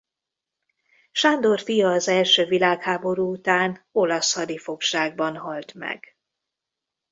Sándor fia az első világháború után olasz hadifogságban halt meg.